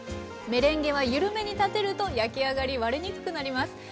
メレンゲは緩めに立てると焼き上がり割れにくくなります。